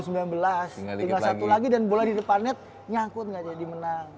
tinggal satu lagi dan bola di depannya nyangkut gak jadi menang